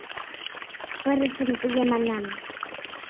— Пырысым тыге манам.